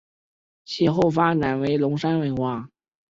其后发展为龙山文化。